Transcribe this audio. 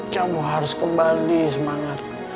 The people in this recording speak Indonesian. kamu harus kembali semangat